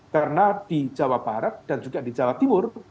karena di jawa barat dan juga di jawa timur